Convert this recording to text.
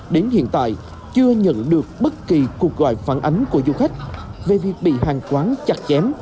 đến hiện tại chưa nhận được bất kỳ cuộc gọi phản ánh của du khách về việc bị hàng quán chặt chém